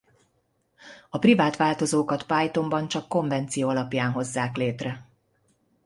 A privát változókat Pythonban csak konvenció alapján hozzák létre.